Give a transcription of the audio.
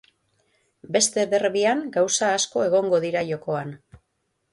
Beste derbian gauza asko egongo dira jokoan.